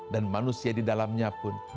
manusia di dalamnya pun